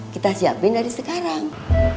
kita siapin dari sekarang